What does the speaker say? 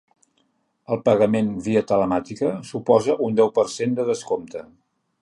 El pagament via telemàtica suposa un deu per cent de descompte.